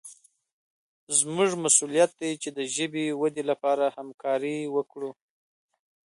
زموږ مسوولیت دی چې د ژبې ودې لپاره همکاري وکړو.